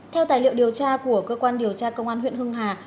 theo tài liệu điều tra của cơ quan điều tra công an huyện hưng hà